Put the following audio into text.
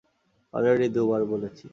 Already দুবার বলেছি।